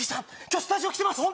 今日スタジオ来てます